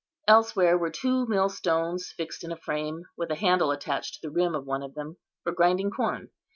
Elsewhere were two millstones fixed in a frame, with a handle attached to the rim of one of them, for grinding corn.